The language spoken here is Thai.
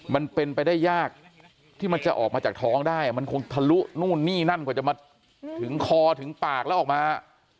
มันเป็นไปได้ยากที่มันจะออกมาจากท้องได้มันคงทะลุนู่นนี่นั่นกว่าจะมาถึงคอถึงปากแล้วออกมา